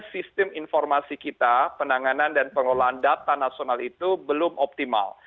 sistem informasi kita penanganan dan pengelolaan data nasional itu belum optimal